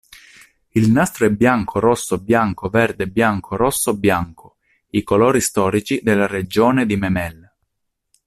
Il nastro è bianco-rosso-bianco-verde-bianco-rosso-bianco, i colori storici della regione di Memel.